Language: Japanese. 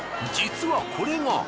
実はこれが。